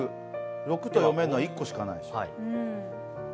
ろくと読めるのは１個しかないでしょう。